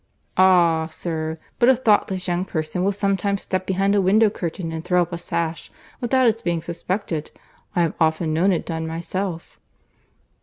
"Ah! sir—but a thoughtless young person will sometimes step behind a window curtain, and throw up a sash, without its being suspected. I have often known it done myself."